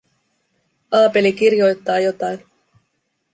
Aapeli kirjoittaa jotain.